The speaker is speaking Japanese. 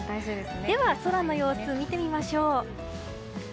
では、空の様子を見てみましょう。